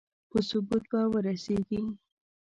په ثبوت به ورسېږي.